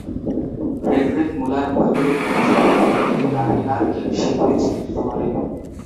Friedrich Muller বইগুলি প্রকাশ করেন এবং মেরি গার্ডিনার সেগুলি চিত্রিত করেন।